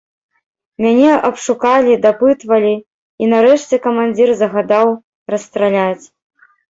Мяне абшукалі, дапытвалі, і нарэшце камандзір загадаў расстраляць.